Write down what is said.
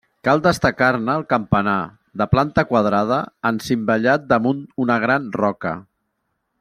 Cal destacar-ne el campanar, de planta quadrada encimbellat damunt una gran roca.